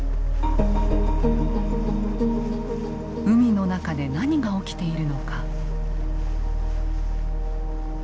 海の中で何が起きているのか。